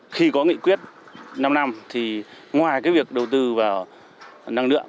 khi có nghị quyết năm năm thì ngoài cái việc đầu tư vào năng lượng